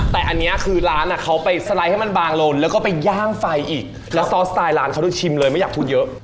แต่อันนี้คือร้านอ่ะเขาไปสไลด์ให้มันบางลงแล้วก็ไปย่างไฟอีกแล้วซอสสไตล์ร้านเขาดูชิมเลยไม่อยากพูดเยอะ